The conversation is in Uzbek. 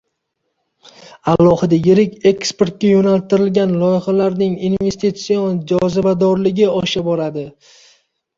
alohida yirik eksportga yo‘naltirilgan loyihalarning investitsion jozibadorligi osha boradi.